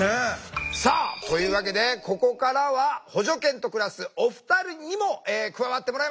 さあというわけでここからは補助犬と暮らすお二人にも加わってもらいましょう。